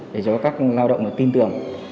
để cho các lao động tin tưởng